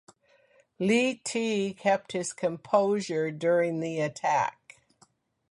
Li Te kept his composure during the attack.